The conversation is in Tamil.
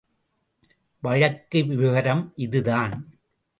வழக்கு விவரம் இதுதான்.